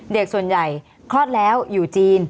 เด็กส่วนใหญ่คลอดแล้วอยู่จีน